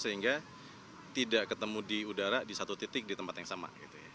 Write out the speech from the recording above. sehingga tidak ketemu di udara di satu titik di tempat yang sama